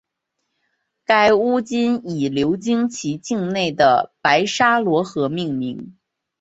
该巫金以流经其境内的白沙罗河命名。